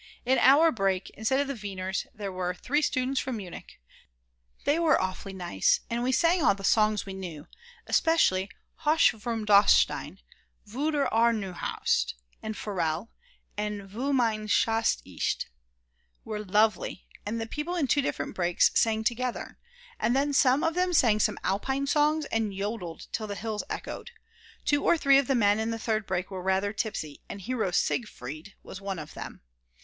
In our break, instead of the Weiners, there were three students from Munich, they were awfully nice, and we sang all the songs we knew; especially "Hoch vom Dachstein, wo der Aar nur haust," and "Forelle" and "Wo mein Schatz ist," were lovely, and the people in two different breaks sang together. And then some of them sang some Alpine songs and yodelled till the hills echoed. Two or three of the men in the third break were rather tipsy and Hero Siegfried!! was one of them.